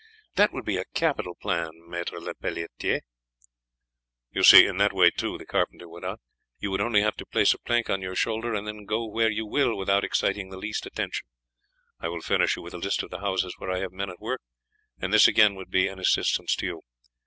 "That would be a capital plan, Maître Lepelletiere." "You see, in that way, too," the carpenter went on, "you would only have to place a plank on your shoulder and then go where you will without exciting the least attention. I will furnish you with a list of the houses where I have men at work, and this again would be an assistance to you.